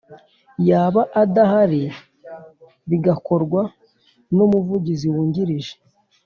yaba adahari bigakorwa n Umuvugizi Wungirije